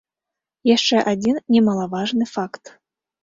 Яшчэ адзін немалаважны факт.